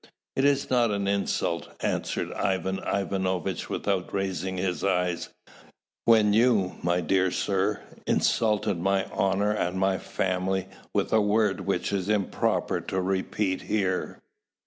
"Is it not an insult," answered Ivan Ivanovitch, without raising his eyes, "when you, my dear sir, insulted my honour and my family with a word which it is improper to repeat here?"